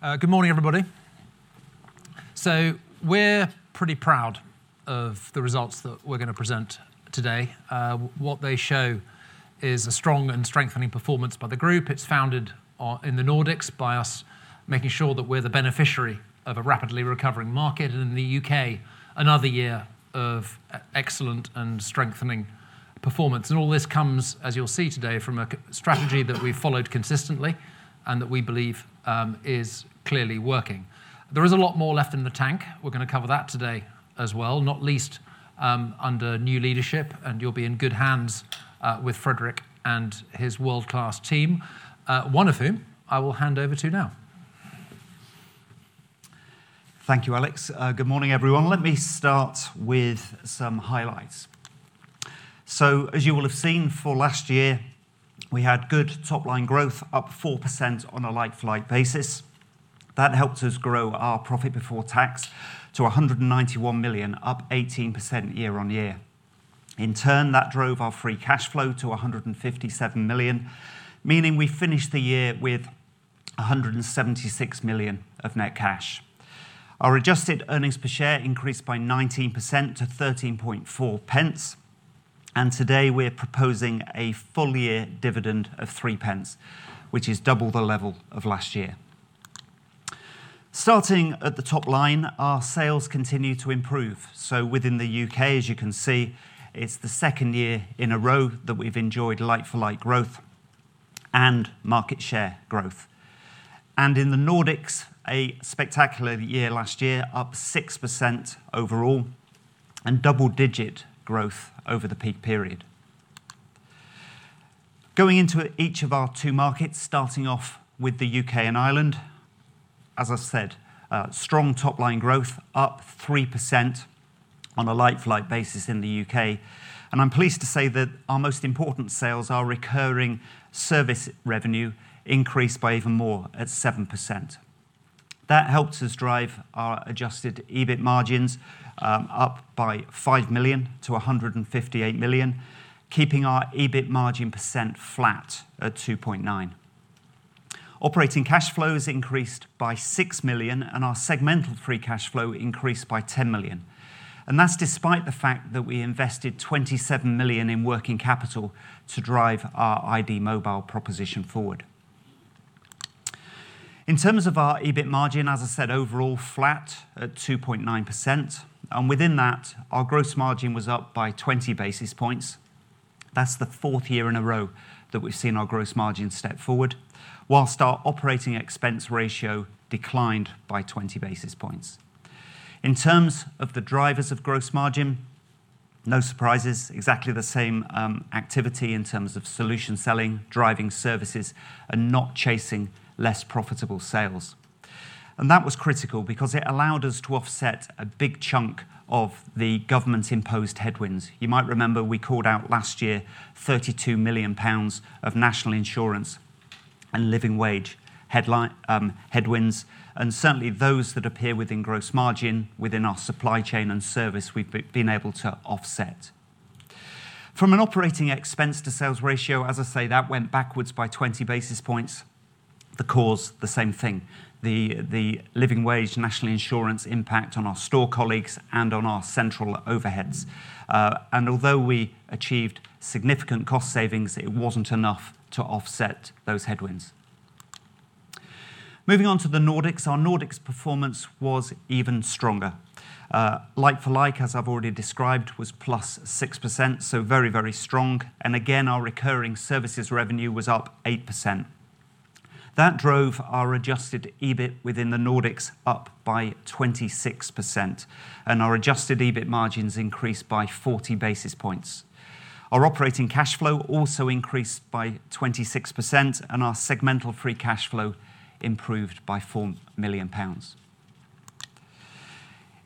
Good morning, everybody. We're pretty proud of the results that we're going to present today. What they show is a strong and strengthening performance by the group. It is founded in the Nordics by us making sure that we're the beneficiary of a rapidly recovering market in the U.K., another year of excellent and strengthening performance. All this comes, as you'll see today, from a strategy that we've followed consistently and that we believe is clearly working. There is a lot more left in the tank. We're going to cover that today as well, not least under new leadership, and you'll be in good hands with Fredrik and his world-class team, one of whom I will hand over to now. Thank you, Alex. Good morning, everyone. Let me start with some highlights. As you will have seen for last year, we had good top-line growth, up 4% on a like-for-like basis. That helped us grow our profit before tax to 191 million, up 18% year-on-year. In turn, that drove our free cash flow to 157 million, meaning we finished the year with 176 million of net cash. Our adjusted earnings per share increased by 19% to 0.134. Today we're proposing a full year dividend of 0.03, which is double the level of last year. Starting at the top line, our sales continue to improve. Within the U.K., as you can see, it's the second year in a row that we've enjoyed like-for-like growth and market share growth. In the Nordics, a spectacular year last year, up 6% overall and double-digit growth over the peak period. Going into each of our two markets, starting off with the U.K. and Ireland, as I said, strong top-line growth, up 3% on a like-for-like basis in the U.K. I'm pleased to say that our most important sales, our recurring service revenue, increased by even more, at 7%. That helped us drive our adjusted EBIT margins up by 5 million-158 million, keeping our EBIT margin percent flat at 2.9%. Operating cash flows increased by 6 million, and our segmental free cash flow increased by 10 million. That's despite the fact that we invested 27 million in working capital to drive our iD Mobile proposition forward. In terms of our EBIT margin, as I said, overall flat at 2.9%. Within that, our gross margin was up by 20 basis points. That's the fourth year in a row that we've seen our gross margin step forward, while our operating expense ratio declined by 20 basis points. In terms of the drivers of gross margin, no surprises. Exactly the same activity in terms of solution selling, driving services, and not chasing less profitable sales. That was critical because it allowed us to offset a big chunk of the government-imposed headwinds. You might remember we called out last year 32 million pounds of national insurance and living wage headwinds, and certainly those that appear within gross margin within our supply chain and service we've been able to offset. From an operating expense to sales ratio, as I say, that went backwards by 20 basis points. The cause, the same thing. The living wage, national insurance impact on our store colleagues and on our central overheads. Although we achieved significant cost savings, it wasn't enough to offset those headwinds. Moving on to the Nordics. Our Nordics performance was even stronger. Like-for-like, as I've already described, was +6%, so very strong. Again, our recurring services revenue was up 8%. That drove our adjusted EBIT within the Nordics up by 26%, and our adjusted EBIT margins increased by 40 basis points. Our operating cash flow also increased by 26%, and our segmental free cash flow improved by 4 million pounds.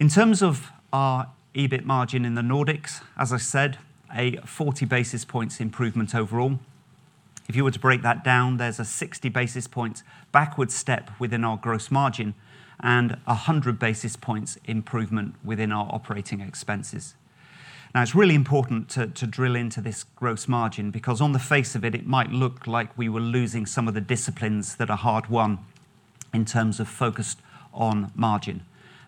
In terms of our EBIT margin in the Nordics, as I said, a 40 basis points improvement overall. If you were to break that down, there's a 60 basis points backward step within our gross margin and 100 basis points improvement within our operating expenses. It's really important to drill into this gross margin, because on the face of it might look like we were losing some of the disciplines that are hard-won in terms of focused on margin.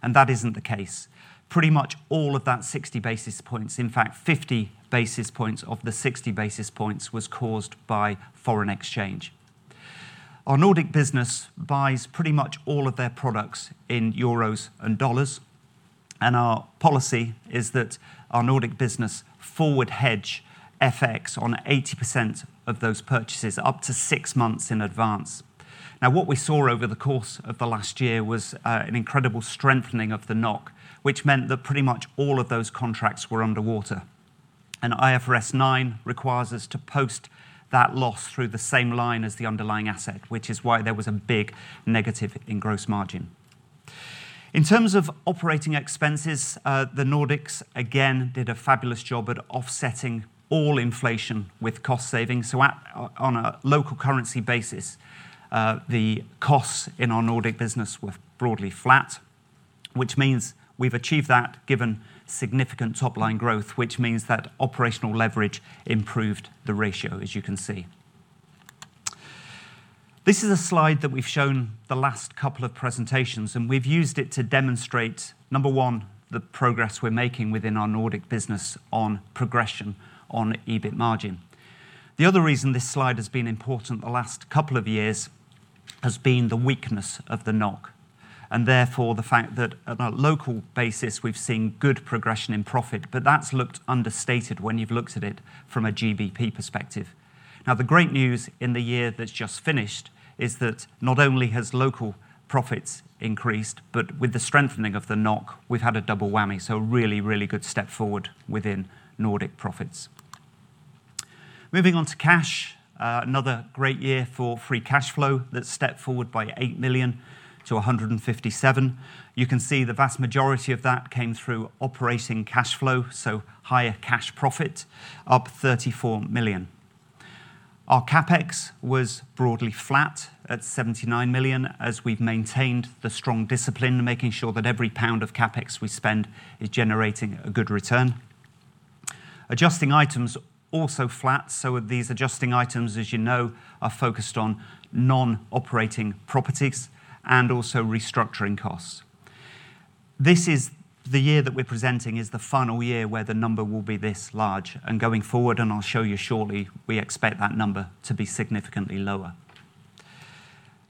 That isn't the case. Pretty much all of that 60 basis points, in fact, 50 basis points of the 60 basis points was caused by foreign exchange. Our Nordic business buys pretty much all of their products in euros and dollars. Our policy is that our Nordic business forward hedge FX on 80% of those purchases up to six months in advance. What we saw over the course of the last year was an incredible strengthening of the NOK, which meant that pretty much all of those contracts were underwater. IFRS 9 requires us to post that loss through the same line as the underlying asset, which is why there was a big negative in gross margin. In terms of operating expenses, the Nordics, again, did a fabulous job at offsetting all inflation with cost savings. On a local currency basis, the costs in our Nordic business were broadly flat, which means we've achieved that given significant top-line growth, which means that operational leverage improved the ratio, as you can see. This is a slide that we've shown the last couple of presentations, and we've used it to demonstrate, number one, the progress we're making within our Nordic business on progression on EBIT margin. The other reason this slide has been important the last couple of years has been the weakness of the NOK, and therefore the fact that at a local basis we've seen good progression in profit, but that's looked understated when you've looked at it from a GBP perspective. The great news in the year that's just finished is that not only has local profits increased, but with the strengthening of the NOK, we've had a double whammy. A really, really good step forward within Nordic profits. Moving on to cash. Another great year for free cash flow that stepped forward by 8 million-157 million. You can see the vast majority of that came through operating cash flow, so higher cash profit up 34 million. Our CapEx was broadly flat at 79 million as we've maintained the strong discipline, making sure that every pound of CapEx we spend is generating a good return. Adjusting items, also flat. These adjusting items, as you know, are focused on non-operating properties and also restructuring costs. The year that we're presenting is the final year where the number will be this large, going forward, and I'll show you shortly, we expect that number to be significantly lower.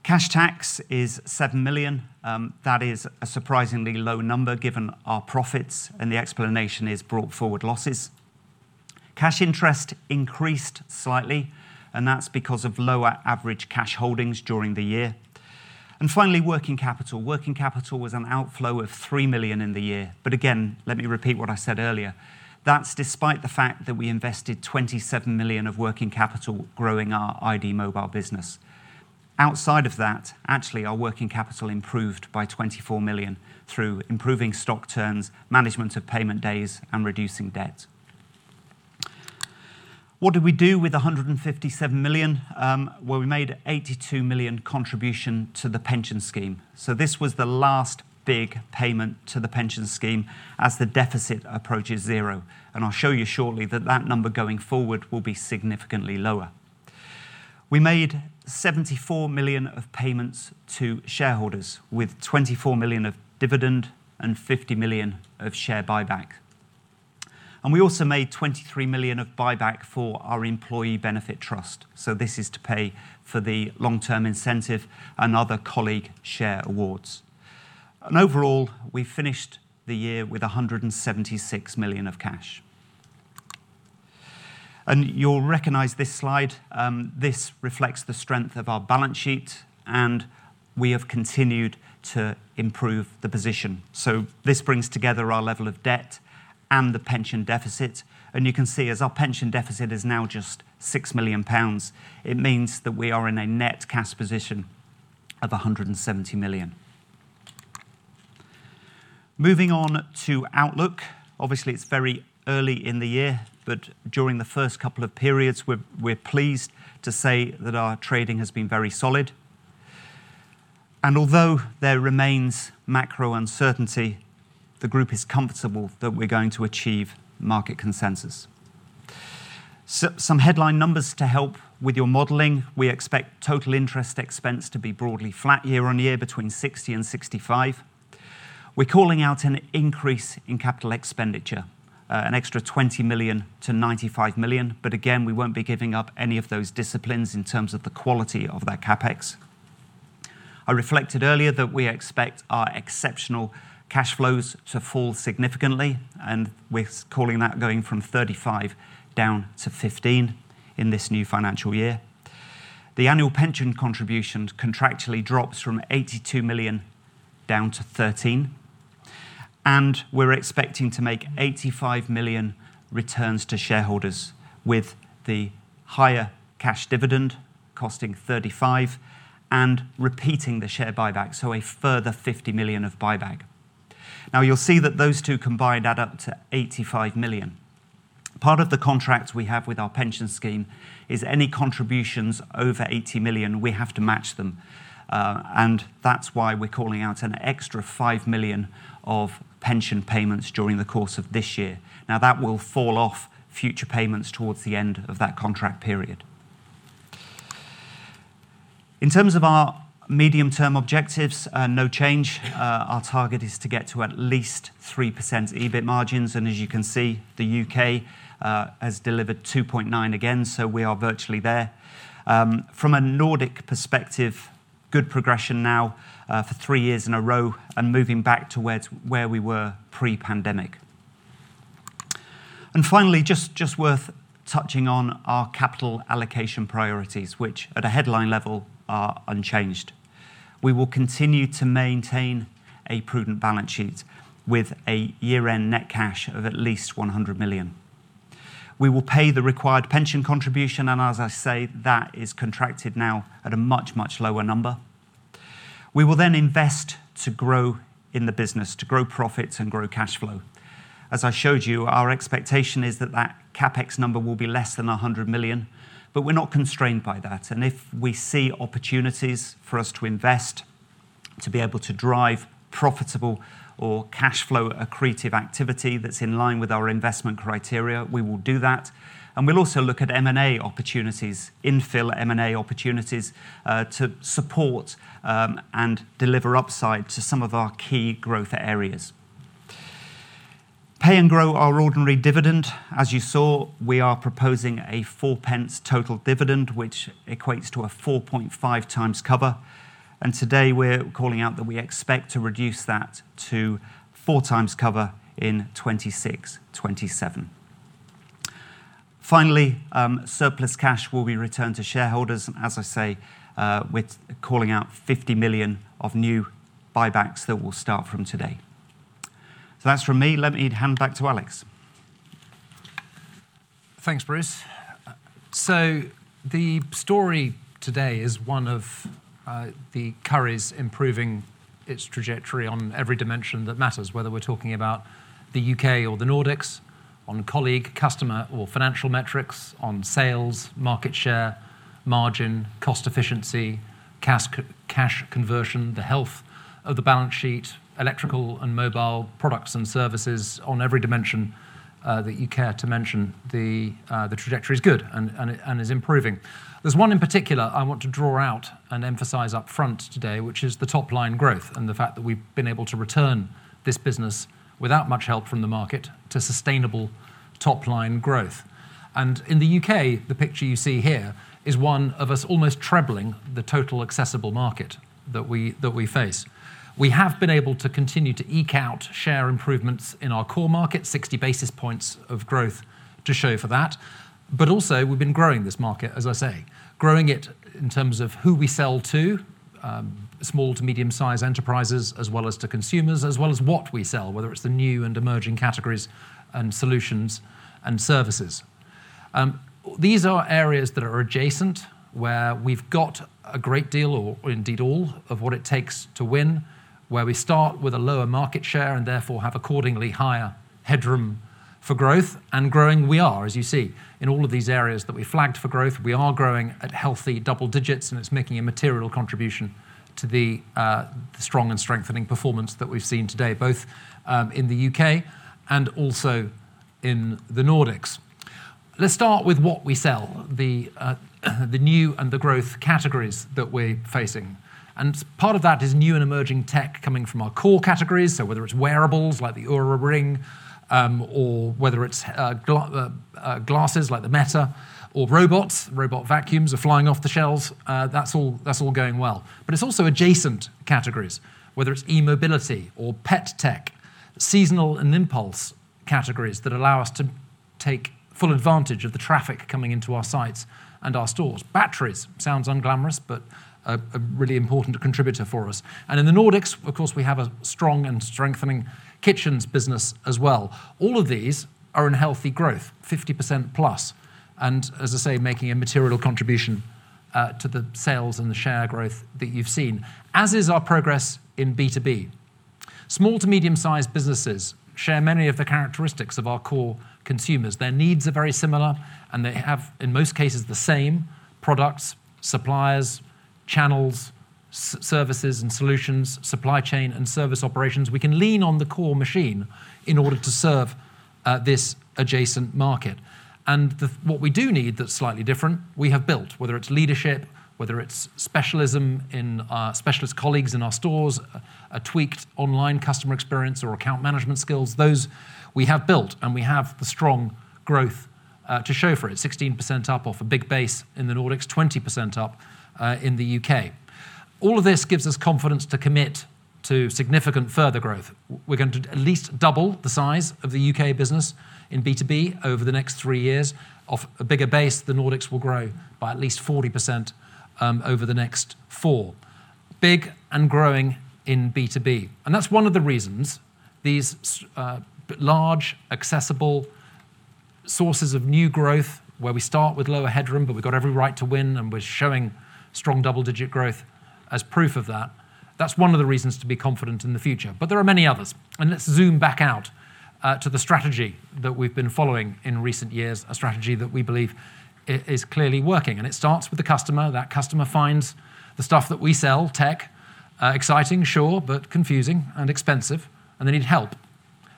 Cash tax is 7 million. That is a surprisingly low number given our profits, the explanation is brought forward losses. Cash interest increased slightly, that's because of lower average cash holdings during the year. Finally, working capital. Working capital was an outflow of 3 million in the year, again, let me repeat what I said earlier. That's despite the fact that we invested 27 million of working capital growing our iD Mobile business. Outside of that, actually, our working capital improved by 24 million through improving stock turns, management of payment days, and reducing debt. What did we do with 157 million? Well, we made 82 million contribution to the pension scheme. This was the last big payment to the pension scheme as the deficit approaches 0. I'll show you shortly that that number going forward will be significantly lower. We made 74 million of payments to shareholders with 24 million of dividend and 50 million of share buyback. We also made 23 million of buyback for our employee benefit trust. This is to pay for the long-term incentive and other colleague share awards. Overall, we finished the year with 176 million of cash. You'll recognize this slide. This reflects the strength of our balance sheet, we have continued to improve the position. This brings together our level of debt and the pension deficit. You can see as our pension deficit is now just 6 million pounds, it means that we are in a net cash position of 170 million. Moving on to outlook. Obviously, it's very early in the year, during the first couple of periods, we're pleased to say that our trading has been very solid. Although there remains macro uncertainty, the group is comfortable that we're going to achieve market consensus. Some headline numbers to help with your modeling. We expect total interest expense to be broadly flat year-on-year between 60 million-65 million. We're calling out an increase in capital expenditure, an extra 20 million-95 million. Again, we won't be giving up any of those disciplines in terms of the quality of that CapEx. I reflected earlier that we expect our exceptional cash flows to fall significantly, we're calling that going from 35 million down to 15 million in this new financial year. The annual pension contribution contractually drops from 82 million down to 13 million. We're expecting to make 85 million returns to shareholders with the higher cash dividend costing 35 million and repeating the share buyback, a further 50 million of buyback. You'll see that those two combined add up to 85 million. Part of the contract we have with our pension scheme is any contributions over 80 million, we have to match them. That's why we're calling out an extra 5 million of pension payments during the course of this year. That will fall off future payments towards the end of that contract period. In terms of our medium-term objectives, no change. Our target is to get to at least 3% EBIT margins. As you can see, the U.K. has delivered 2.9% again, so we are virtually there. From a Nordic perspective, good progression now for three years in a row and moving back to where we were pre-pandemic. Finally, just worth touching on our capital allocation priorities, which at a headline level are unchanged. We will continue to maintain a prudent balance sheet with a year-end net cash of at least 100 million. We will pay the required pension contribution, and as I say, that is contracted now at a much, much lower number. Invest to grow in the business, to grow profits and grow cash flow. As I showed you, our expectation is that that CapEx number will be less than 100 million, but we're not constrained by that. If we see opportunities for us to invest to be able to drive profitable or cash flow accretive activity that's in line with our investment criteria, we will do that. We'll also look at M&A opportunities, infill M&A opportunities, to support and deliver upside to some of our key growth areas. Pay and grow our ordinary dividend. As you saw, we are proposing a 0.04 total dividend, which equates to a 4.5x cover. Today we're calling out that we expect to reduce that to 4x cover in 2026, 2027. Finally, surplus cash will be returned to shareholders, as I say, with calling out 50 million of new buybacks that will start from today. That's from me. Let me hand back to Alex. Thanks, Bruce. The story today is one of Currys improving its trajectory on every dimension that matters, whether we're talking about the U.K. or the Nordics, on colleague, customer, or financial metrics, on sales, market share, margin, cost efficiency, cash conversion, the health of the balance sheet, electrical and mobile products and services. On every dimension that you care to mention, the trajectory is good and is improving. There's one in particular I want to draw out and emphasize up front today, which is the top-line growth and the fact that we've been able to return this business without much help from the market to sustainable top-line growth. In the U.K., the picture you see here is one of us almost trebling the total accessible market that we face. We have been able to continue to eke out share improvements in our core market, 60 basis points of growth to show for that. We've been growing this market, as I say. Growing it in terms of who we sell to, small to medium-size enterprises as well as to consumers, as well as what we sell, whether it's the new and emerging categories and solutions and services. These are areas that are adjacent, where we've got a great deal or indeed all of what it takes to win, where we start with a lower market share and therefore have accordingly higher headroom for growth. Growing we are, as you see. In all of these areas that we flagged for growth, we are growing at healthy double digits, and it's making a material contribution to the strong and strengthening performance that we've seen today, both in the U.K. and also in the Nordics. Let's start with what we sell, the new and the growth categories that we're facing. Part of that is new and emerging tech coming from our core categories. Whether it's wearables like the Oura Ring, or whether it's glasses like the Meta or robots, robot vacuums are flying off the shelves, that's all going well. It's also adjacent categories, whether it's e-mobility or pet tech, seasonal and impulse categories that allow us to take full advantage of the traffic coming into our sites and our stores. Batteries, sounds unglamorous, but a really important contributor for us. In the Nordics, of course, we have a strong and strengthening kitchens business as well. All of these are in healthy growth, 50%+, and as I say, making a material contribution to the sales and the share growth that you've seen, as is our progress in B2B. Small to medium-sized businesses share many of the characteristics of our core consumers. Their needs are very similar and they have, in most cases, the same products, suppliers, channels, services and solutions, supply chain and service operations. We can lean on the core machine in order to serve this adjacent market. What we do need that's slightly different, we have built, whether it's leadership, whether it's specialism in our specialist colleagues in our stores, a tweaked online customer experience or account management skills. Those we have built and we have the strong growth to show for it, 16% up off a big base in the Nordics, 20% up in the U.K. All of this gives us confidence to commit to significant further growth. We're going to at least double the size of the U.K. business in B2B over the next three years. Off a bigger base, the Nordics will grow by at least 40% over the next four. Big and growing in B2B. That's one of the reasons these large accessible sources of new growth where we start with lower headroom, but we've got every right to win, and we're showing strong double-digit growth as proof of that. That's one of the reasons to be confident in the future. There are many others. Let's zoom back out to the strategy that we've been following in recent years, a strategy that we believe is clearly working. It starts with the customer. That customer finds the stuff that we sell, tech, exciting, sure, but confusing and expensive, and they need help.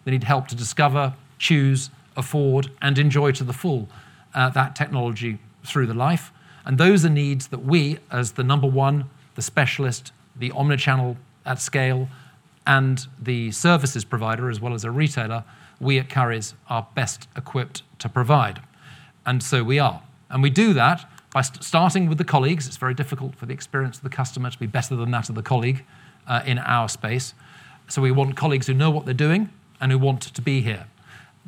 They need help to discover, choose, afford, and enjoy to the full that technology through the life. Those are needs that we, as the number one, the specialist, the omni-channel at scale, and the services provider as well as a retailer, we at Currys are best equipped to provide. We are. We do that by starting with the colleagues. It's very difficult for the experience of the customer to be better than that of the colleague in our space. We want colleagues who know what they're doing and who want to be here.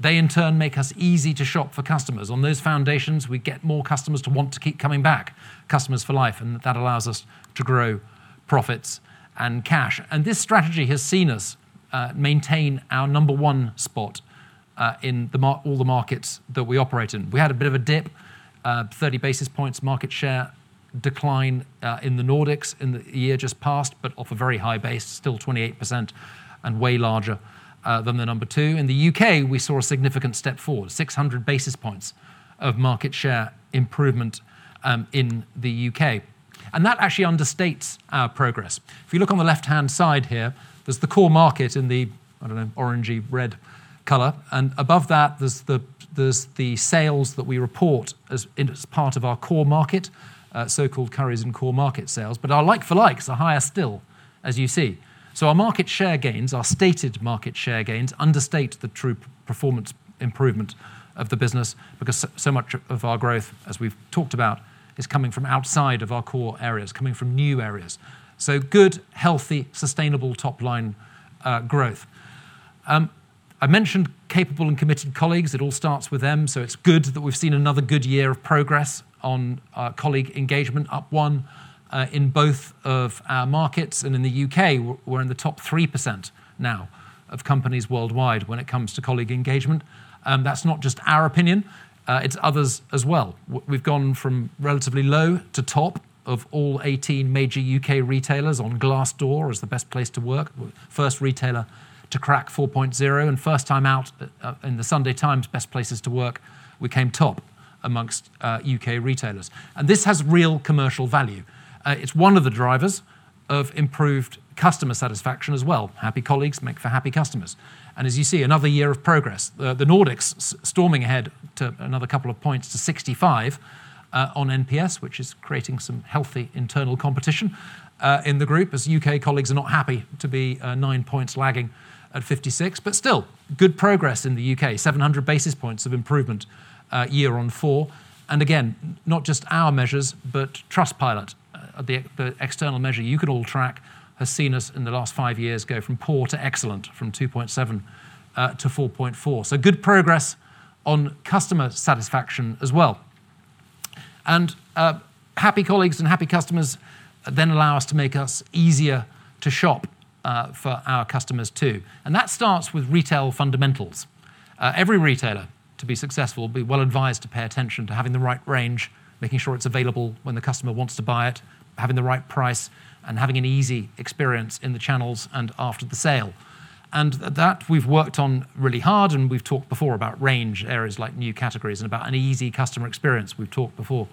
They in turn make us easy to shop for customers. On those foundations, we get more customers to want to keep coming back, customers for life, and that allows us to grow profits and cash. This strategy has seen us maintain our number one spot in all the markets that we operate in. We had a bit of a dip, 30 basis points market share decline in the Nordics in the year just passed, but off a very high base, still 28% and way larger than the number two. In the U.K., we saw a significant step forward, 600 basis points of market share improvement in the U.K. That actually understates our progress. If you look on the left-hand side here, there's the core market in the, I don't know, orangey red color. Above that, there's the sales that we report as part of our core market, so-called Currys and core market sales. Our like-for-likes are higher still, as you see. Our market share gains, our stated market share gains, understate the true performance improvement of the business because so much of our growth, as we've talked about, is coming from outside of our core areas, coming from new areas. Good, healthy, sustainable top-line growth. I mentioned capable and committed colleagues. It all starts with them, so it's good that we've seen another good year of progress on colleague engagement, up one in both of our markets. In the U.K., we're in the top 3% now of companies worldwide when it comes to colleague engagement. That's not just our opinion, it's others as well. We've gone from relatively low to top of all 18 major U.K. retailers on Glassdoor as the best place to work, first retailer to crack 4.0 and first time out in "The Sunday Times" Best Places to Work, we came top amongst U.K. retailers. This has real commercial value. It's one of the drivers of improved customer satisfaction as well. Happy colleagues make for happy customers. As you see, another year of progress. The Nordics storming ahead to another couple of points to 65 on NPS, which is creating some healthy internal competition in the group as U.K. colleagues are not happy to be 9 points lagging at 56. Still, good progress in the U.K., 700 basis points of improvement year on four. Again, not just our measures, but Trustpilot, the external measure you can all track, has seen us in the last five years go from poor to excellent, from 2.7%-4.4%. Good progress on customer satisfaction as well. Happy colleagues and happy customers then allow us to make us easier to shop for our customers, too. That starts with retail fundamentals. Every retailer, to be successful, would be well advised to pay attention to having the right range, making sure it's available when the customer wants to buy it, having the right price, and having an easy experience in the channels and after the sale. That we've worked on really hard and we've talked before about range areas like new categories and about an easy customer experience. We've talked before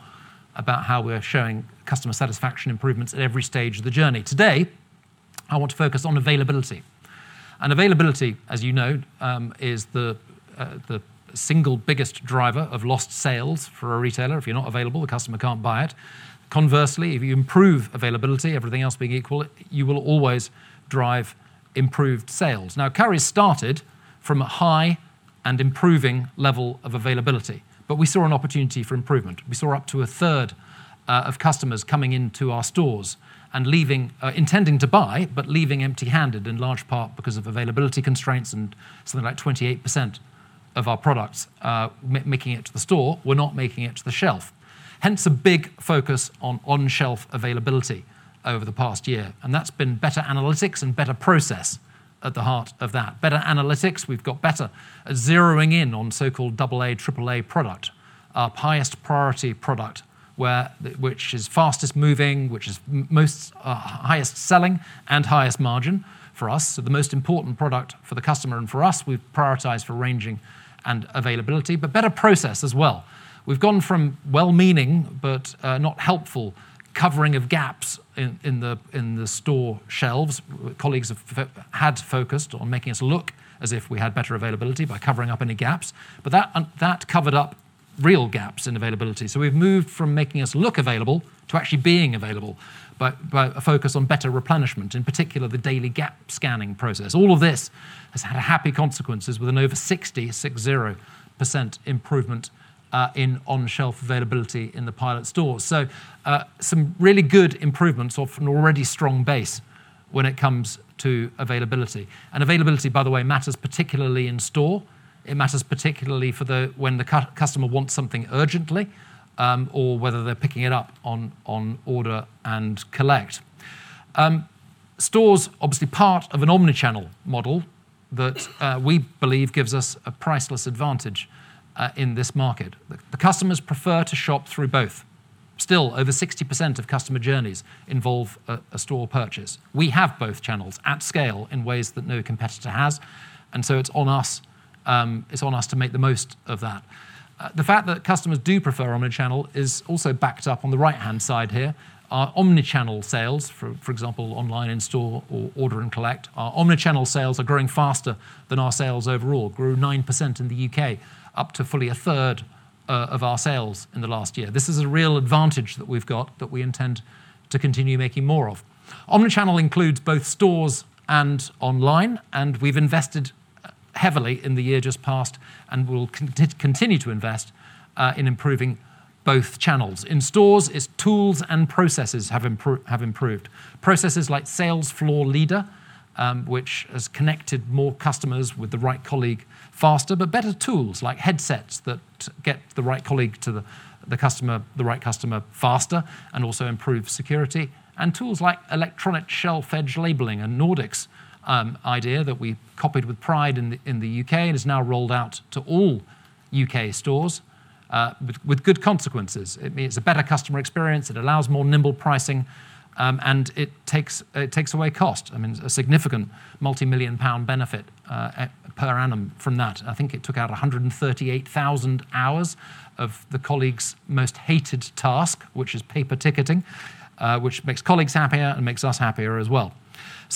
about how we're showing customer satisfaction improvements at every stage of the journey. Today, I want to focus on availability. Availability, as you know, is the single biggest driver of lost sales for a retailer. If you're not available, the customer can't buy it. Conversely, if you improve availability, everything else being equal, you will always drive improved sales. Now, Currys started from a high and improving level of availability, but we saw an opportunity for improvement. We saw up to 1/3 of customers coming into our stores and leaving, intending to buy, but leaving empty-handed, in large part because of availability constraints and something like 28% of our products making it to the store were not making it to the shelf. Hence a big focus on on-shelf availability over the past year. That's been better analytics and better process at the heart of that. Better analytics, we've got better at zeroing in on so-called AAA product, our highest priority product, which is fastest moving, which is highest selling, and highest margin for us. The most important product for the customer and for us, we've prioritized for ranging and availability. Better process as well. We've gone from well-meaning but not helpful covering of gaps in the store shelves. Colleagues have had focused on making us look as if we had better availability by covering up any gaps. That covered up real gaps in availability. We've moved from making us look available to actually being available by a focus on better replenishment, in particular, the daily gap scanning process. All of this has had happy consequences with an over 60% improvement in on-shelf availability in the pilot stores. Some really good improvements off an already strong base when it comes to availability. Availability, by the way, matters particularly in store. It matters particularly for when the customer wants something urgently, or whether they're picking it up on order and collect. Stores obviously part of an omni-channel model that we believe gives us a priceless advantage in this market. The customers prefer to shop through both. Still, over 60% of customer journeys involve a store purchase. We have both channels at scale in ways that no competitor has, it's on us to make the most of that. The fact that customers do prefer omni-channel is also backed up on the right-hand side here. Our omni-channel sales, for example, online, in store, or order and collect, our omni-channel sales are growing faster than our sales overall. Grew 9% in the U.K., up to fully 1/3 of our sales in the last year. This is a real advantage that we've got that we intend to continue making more of. Omni-channel includes both stores and online, and we've invested heavily in the year just passed and will continue to invest in improving both channels. In stores, its tools and processes have improved. Processes like Sales Floor Leader, which has connected more customers with the right colleague faster, but better tools like headsets that get the right colleague to the right customer faster and also improve security, and tools like electronic shelf edge labeling, a Nordics idea that we copied with pride in the U.K. and is now rolled out to all U.K. stores, with good consequences. It means a better customer experience. It allows more nimble pricing. It takes away cost. I mean, a significant multimillion pound benefit per annum from that. I think it took out 138,000 hours of the colleagues' most hated task, which is paper ticketing, which makes colleagues happier and makes us happier as well.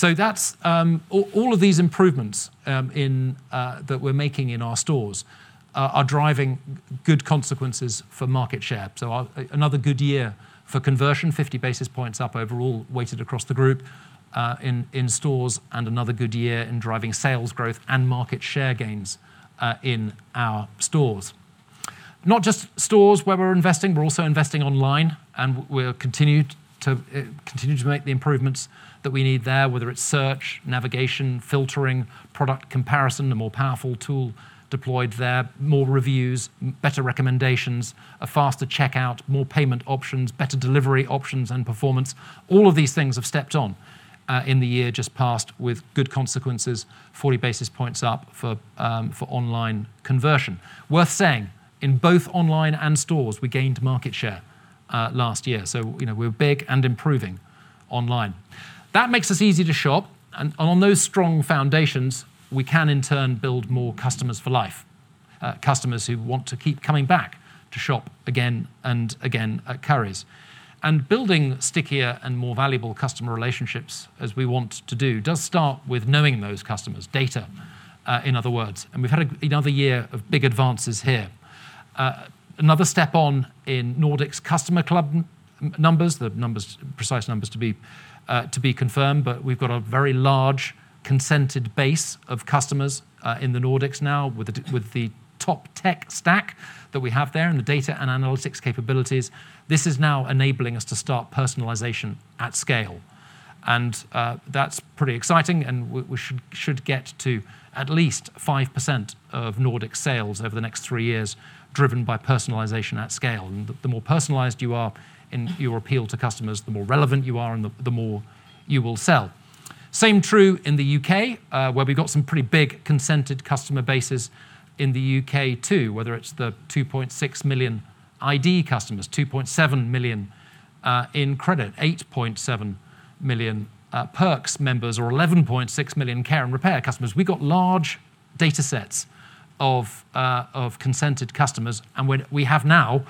All of these improvements that we're making in our stores are driving good consequences for market share. So another good year for conversion, 50 basis points up overall weighted across the group in stores and another good year in driving sales growth and market share gains in our stores. Not just stores where we're investing, we're also investing online, and we'll continue to make the improvements that we need there, whether it's search, navigation, filtering, product comparison, a more powerful tool deployed there, more reviews, better recommendations, a faster checkout, more payment options, better delivery options and performance. All of these things have stepped on in the year just passed with good consequences, 40 basis points up for online conversion. Worth saying, in both online and stores, we gained market share last year, we're big and improving online. That makes us easy to shop, on those strong foundations, we can in turn build more customers for life, customers who want to keep coming back to shop again and again at Currys. Building stickier and more valuable customer relationships, as we want to do, does start with knowing those customers, data, in other words. We've had another year of big advances here. Another step on in Nordics customer club numbers, the precise numbers to be confirmed, but we've got a very large consented base of customers in the Nordics now with the top tech stack that we have there and the data and analytics capabilities. This is now enabling us to start personalization at scale. That's pretty exciting, we should get to at least 5% of Nordic sales over the next three years driven by personalization at scale. The more personalized you are in your appeal to customers, the more relevant you are, the more you will sell. Same true in the U.K., where we've got some pretty big consented customer bases in the U.K. too, whether it's the 2.6 million iD customers, 2.7 million in credit, 8.7 million perks members, or 11.6 million care and repair customers. We got large data sets of consented customers, we have now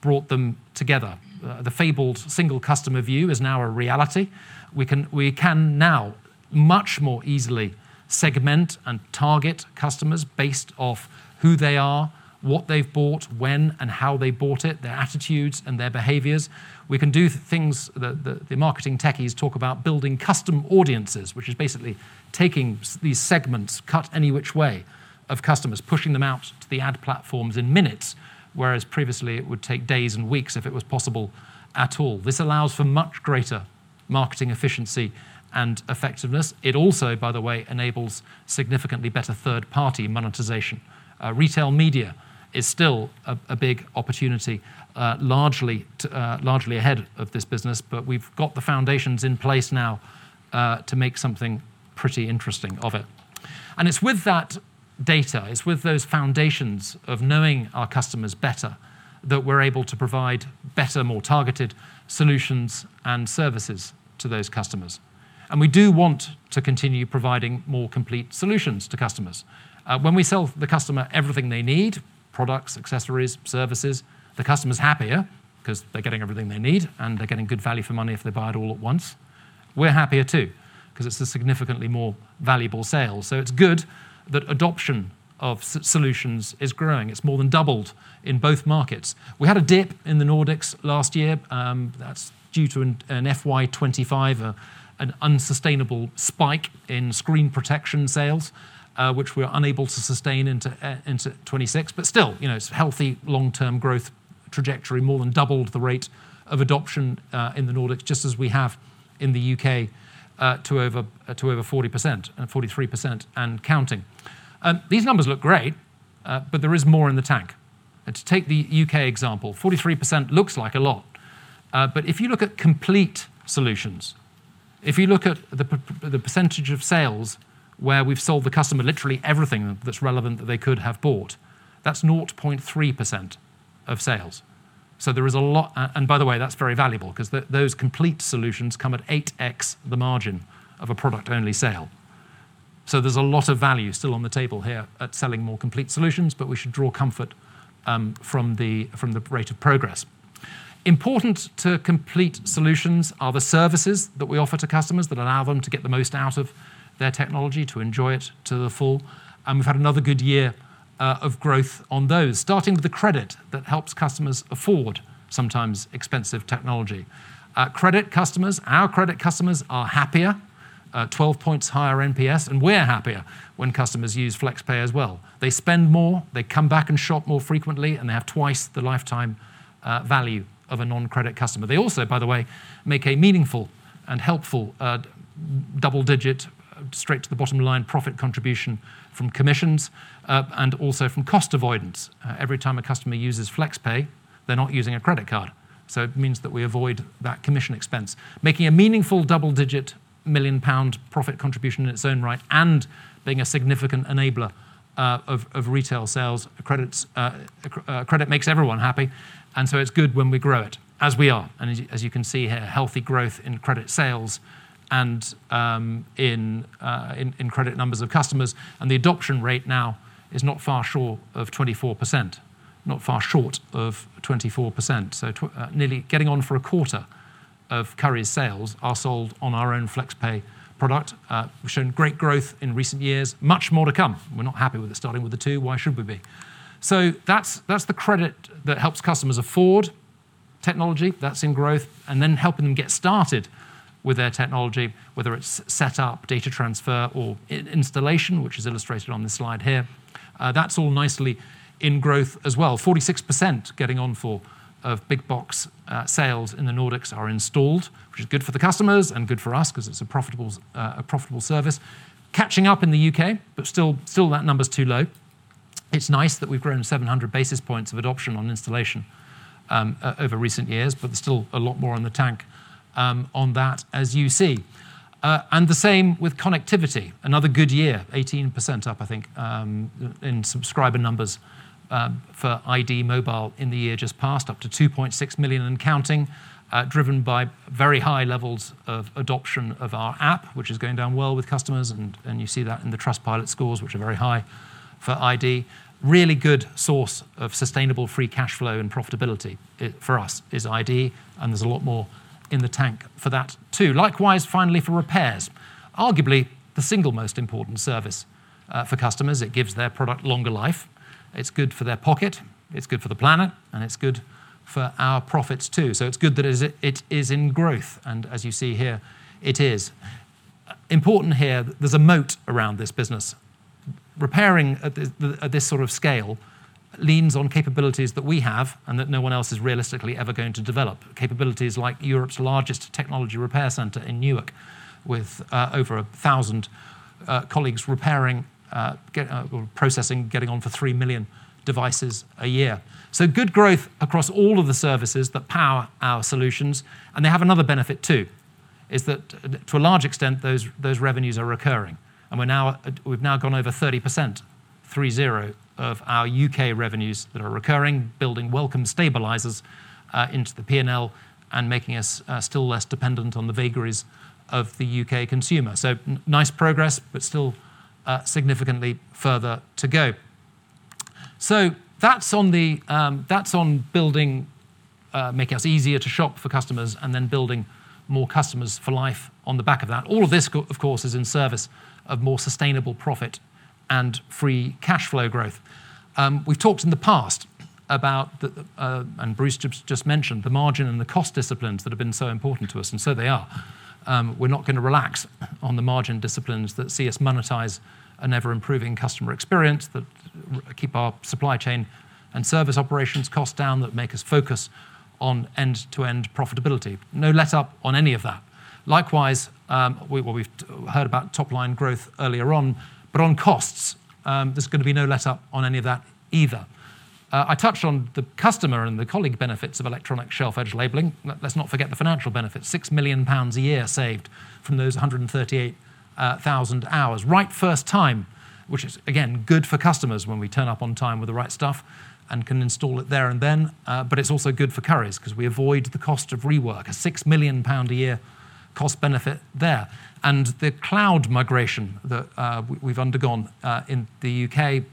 brought them together. The fabled single customer view is now a reality. We can now much more easily segment and target customers based off who they are, what they've bought, when and how they bought it, their attitudes, and their behaviors. We can do things that the marketing techies talk about, building custom audiences, which is basically taking these segments cut any which way of customers, pushing them out to the ad platforms in minutes, whereas previously it would take days and weeks if it was possible at all. This allows for much greater marketing efficiency and effectiveness. It also, by the way, enables significantly better third-party monetization. Retail media is still a big opportunity largely ahead of this business, but we've got the foundations in place now to make something pretty interesting of it. It's with that data, it's with those foundations of knowing our customers better, that we're able to provide better, more targeted solutions and services to those customers. We do want to continue providing more complete solutions to customers. When we sell the customer everything they need, products, accessories, services, the customer's happier because they're getting everything they need, and they're getting good value for money if they buy it all at once. We're happier too, because it's a significantly more valuable sale. It's good that adoption of solutions is growing. It's more than doubled in both markets. We had a dip in the Nordics last year. That's due to an FY 2025, an unsustainable spike in screen protection sales, which we are unable to sustain into 2026. Still, it's healthy long-term growth trajectory, more than doubled the rate of adoption in the Nordics, just as we have in the U.K., to over 40% and 43% and counting. These numbers look great but there is more in the tank. To take the U.K. example, 43% looks like a lot. If you look at complete solutions, if you look at the percentage of sales where we've sold the customer literally everything that's relevant that they could have bought, that's 0.3% of sales. There is a lot. By the way, that's very valuable because those complete solutions come at 8x the margin of a product-only sale. There's a lot of value still on the table here at selling more complete solutions, but we should draw comfort from the rate of progress. Important to complete solutions are the services that we offer to customers that allow them to get the most out of their technology, to enjoy it to the full. We've had another good year of growth on those, starting with the credit that helps customers afford sometimes expensive technology. Credit customers, our credit customers are happier, 12 points higher NPS, and we're happier when customers use flexpay as well. They spend more, they come back and shop more frequently, and they have twice the lifetime value of a non-credit customer. They also, by the way, make a meaningful and helpful double-digit straight-to-the-bottom-line profit contribution from commissions, and also from cost avoidance. Every time a customer uses flexpay, they're not using a credit card. It means that we avoid that commission expense, making a meaningful double-digit million-pound profit contribution in its own right, and being a significant enabler of retail sales. Credit makes everyone happy, it's good when we grow it, as we are. As you can see here, healthy growth in credit sales and in credit numbers of customers. The adoption rate now is not far short of 24%. Nearly getting on for a quarter of Currys sales are sold on our own flexpay product. We've shown great growth in recent years. Much more to come. We're not happy with it starting with a two. Why should we be? That is the credit that helps customers afford technology that is in growth, and then helping them get started with their technology, whether it is set-up, data transfer, or installation, which is illustrated on this slide here. That is all nicely in growth as well. 46% getting on for of big box sales in the Nordics are installed, which is good for the customers and good for us because it is a profitable service. Catching up in the U.K., still that number is too low. It is nice that we have grown 700 basis points of adoption on installation over recent years, there is still a lot more in the tank on that, as you see. The same with connectivity. Another good year, 18% up, I think, in subscriber numbers for iD Mobile in the year just passed, up to 2.6 million and counting, driven by very high levels of adoption of our app, which is going down well with customers. You see that in the Trustpilot scores, which are very high for iD. Really good source of sustainable free cash flow and profitability for us is iD, there is a lot more in the tank for that, too. Likewise, finally, for repairs. Arguably the single most important service for customers. It gives their product longer life. It is good for their pocket, it is good for the planet, and it is good for our profits, too. It is good that it is in growth, as you see here, it is. Important here, there is a moat around this business. Repairing at this sort of scale leans on capabilities that we have and that no one else is realistically ever going to develop. Capabilities like Europe's largest technology repair center in Newark, with over 1,000 colleagues repairing, or processing, getting on for 3 million devices a year. Good growth across all of the services that power our solutions. They have another benefit, too, is that to a large extent, those revenues are recurring. We have now gone over 30%, three zero, of our U.K. revenues that are recurring, building welcome stabilizers into the P&L and making us still less dependent on the vagaries of the U.K. consumer. Nice progress, still significantly further to go. That is on making us easier to shop for customers and then building more customers for life on the back of that. All of this, of course, is in service of more sustainable profit and free cash flow growth. We have talked in the past about, Bruce just mentioned, the margin and the cost disciplines that have been so important to us, they are. We are not going to relax on the margin disciplines that see us monetize an ever-improving customer experience, that keep our supply chain and service operations costs down, that make us focus on end-to-end profitability. No let-up on any of that. Likewise, we have heard about top-line growth earlier on costs, there is going to be no let-up on any of that either. I touched on the customer and the colleague benefits of electronic shelf-edge labeling. Let us not forget the financial benefits. 6 million pounds a year saved from those 138,000 hours. Right first time, which is, again, good for customers when we turn up on time with the right stuff and can install it there and then, but it's also good for Currys because we avoid the cost of rework. A 6 million pound a year cost benefit there. The cloud migration that we've undergone in the U.K.,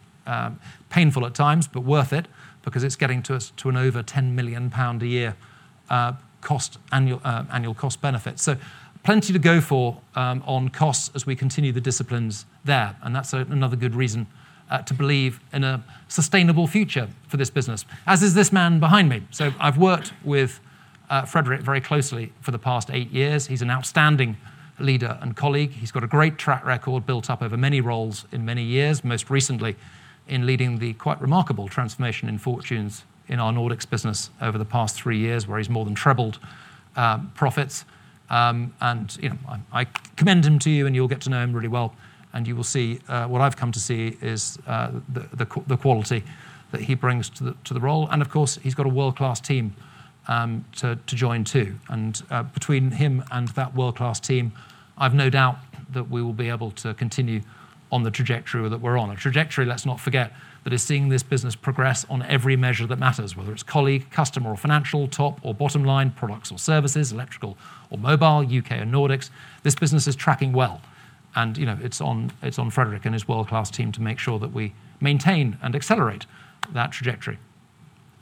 painful at times, but worth it because it's getting to us to an over 10 million pound a year annual cost benefit. Plenty to go for on costs as we continue the disciplines there, and that's another good reason to believe in a sustainable future for this business. As is this man behind me. I've worked with Fredrik very closely for the past eight years. He's an outstanding leader and colleague. He's got a great track record built up over many roles in many years, most recently in leading the quite remarkable transformation in fortunes in our Nordics business over the past three years, where he's more than trebled profits. I commend him to you, and you'll get to know him really well. You will see what I've come to see is the quality that he brings to the role. Of course, he's got a world-class team to join, too. Between him and that world-class team, I've no doubt that we will be able to continue on the trajectory that we're on. A trajectory, let's not forget, that is seeing this business progress on every measure that matters, whether it's colleague, customer, or financial, top or bottom line, products or services, electrical or mobile, U.K. or Nordics. This business is tracking well, and it's on Fredrik and his world-class team to make sure that we maintain and accelerate that trajectory.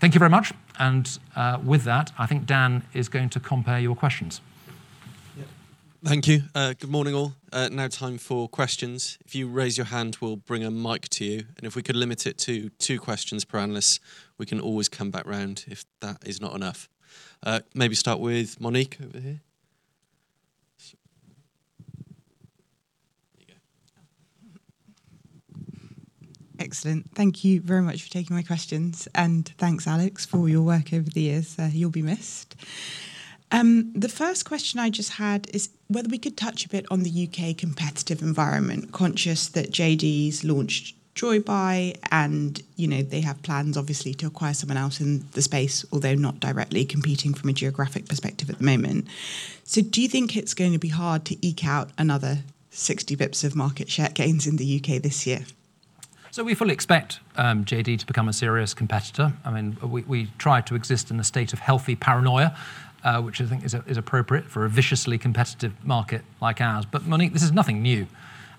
Thank you very much. With that, I think Dan is going to compere your questions. Yeah. Thank you. Good morning, all. Now time for questions. If you raise your hand, we'll bring a mic to you, and if we could limit it to two questions per analyst. We can always come back around if that is not enough. Maybe start with Monique over here. There you go. Excellent. Thank you very much for taking my questions, and thanks, Alex, for your work over the years. You'll be missed. The first question I just had is whether we could touch a bit on the U.K. competitive environment, conscious that JD's launched Joybuy and they have plans obviously to acquire someone else in the space, although not directly competing from a geographic perspective at the moment. Do you think it's going to be hard to eke out another 60 basis points of market share gains in the U.K. this year? We fully expect JD to become a serious competitor. We try to exist in a state of healthy paranoia, which I think is appropriate for a viciously competitive market like ours. Monique, this is nothing new.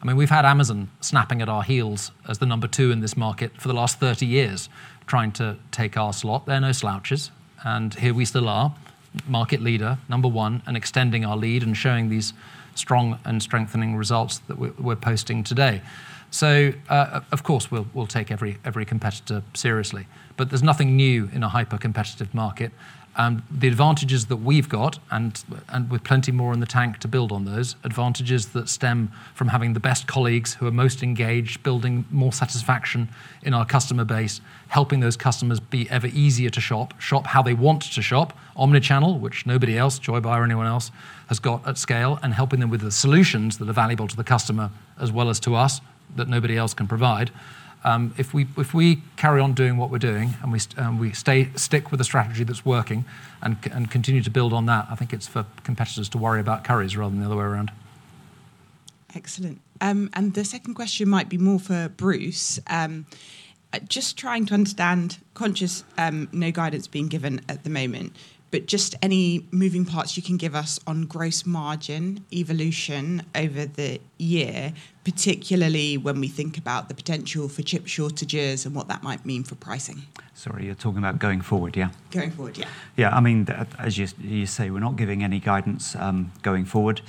We've had Amazon snapping at our heels as the number two in this market for the last 30 years, trying to take our slot. They're no slouches, and here we still are, market leader, number one, and extending our lead and showing these strong and strengthening results that we're posting today. Of course, we'll take every competitor seriously. There's nothing new in a hyper-competitive market. The advantages that we've got, and with plenty more in the tank to build on those, advantages that stem from having the best colleagues who are most engaged, building more satisfaction in our customer base, helping those customers be ever easier to shop how they want to shop, omni-channel, which nobody else, Joybuy or anyone else, has got at scale, and helping them with the solutions that are valuable to the customer as well as to us, that nobody else can provide. If we carry on doing what we're doing and we stick with a strategy that's working and continue to build on that, I think it's for competitors to worry about Currys rather than the other way around. Excellent. The second question might be more for Bruce. Just trying to understand, conscious no guidance being given at the moment, but just any moving parts you can give us on gross margin evolution over the year, particularly when we think about the potential for chip shortages and what that might mean for pricing? Sorry, you're talking about going forward, yeah? Going forward, yeah. Yeah. As you say, we're not giving any guidance going forward.